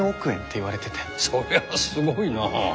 そりゃすごいな。